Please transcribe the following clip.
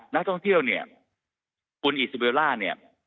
นักท่องเที่ยวเนี่ยคุณอิสเบลล่าเนี่ย